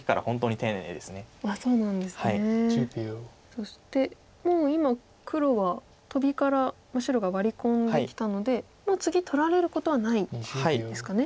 そしてもう今黒はトビから白がワリ込んできたので次取られることはないですかね。